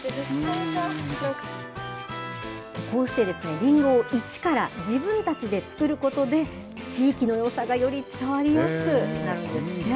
こうして、りんごを一から、自分たちで作ることで、地域のよさがより伝わりやすくなるんですって。